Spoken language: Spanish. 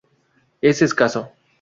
Es escaso.